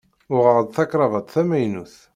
Uɣeɣ-d takravat tamaynut.